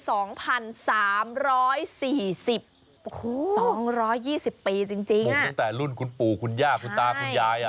โอ้โห๒๒๐ปีจริงอ่ะปลูกตั้งแต่รุ่นคุณปู่คุณย่าคุณตาคุณยายอ่ะ